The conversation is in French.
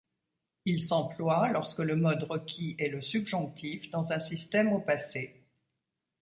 Il s'emploie lorsque le mode requis est le subjonctif dans un système au passé.